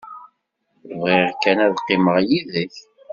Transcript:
Bɣiɣ kan ad qqimeɣ yid-k.